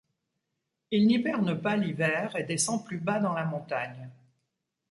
Il n'hiberne pas l'hiver et descend plus bas dans la montagne.